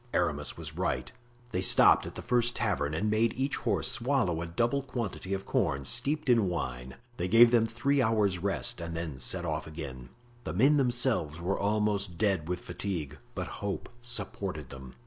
Aramis was right; they stopped at the first tavern and made each horse swallow a double quantity of corn steeped in wine; they gave them three hours' rest and then set off again. The men themselves were almost dead with fatigue, but hope supported them.